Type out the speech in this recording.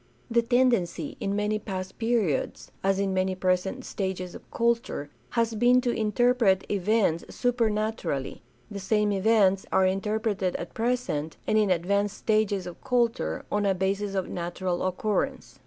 The tendency in many past periods, as in many present stages of culture, has been to interpret events supernaturally; the same events are inter preted at present, and in advanced stages of culture, on a basis of natural occurrence.